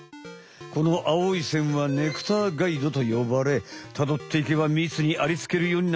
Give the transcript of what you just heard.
このあおい線はネクターガイドとよばれたどっていけばみつにありつけるようになっている。